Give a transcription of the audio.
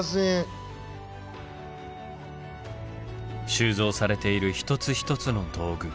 収蔵されている一つ一つの道具。